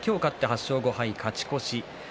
朝乃山勝って８勝５敗の勝ち越し。